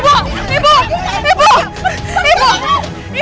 pergi pergi pergi